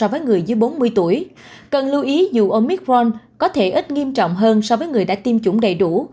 với người dưới bốn mươi tuổi cần lưu ý dù omicron có thể ít nghiêm trọng hơn so với người đã tiêm chủng đầy đủ